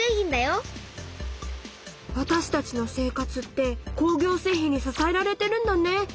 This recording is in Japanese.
わたしたちの生活って工業製品に支えられてるんだね。